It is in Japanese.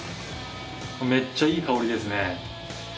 めっちゃいい香りですね。